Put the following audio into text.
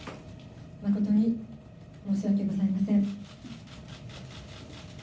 誠に申し訳ございません。